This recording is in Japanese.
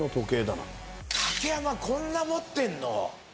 竹山こんな持ってんの？